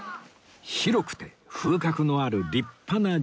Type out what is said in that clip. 広くて風格のある立派な神社